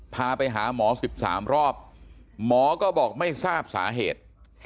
พาไปหาหมอ๑๓รอบหมอก็บอกไม่ทราบสาเหตุ